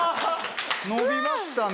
伸びましたね。